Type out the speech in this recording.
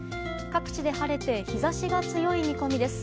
各地で晴れて日差しが強い見込みです。